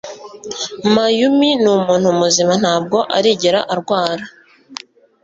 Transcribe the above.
Mayumi numuntu muzima Ntabwo arigera arwara